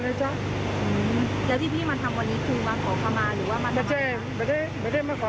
ขอให้เจ้าหน้าพี่ช่วยละอ่อนได้ออกมาเจ้า